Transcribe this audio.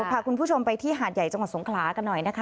พาคุณผู้ชมไปที่หาดใหญ่จังหวัดสงขลากันหน่อยนะคะ